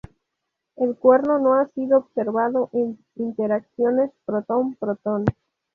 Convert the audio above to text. El cuerno no ha sido observado en interacciones protón-protón.